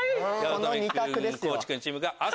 この２択ですよ。